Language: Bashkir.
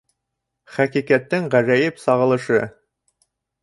Хәҡиҡәттең ғәжәйеп сағылышы!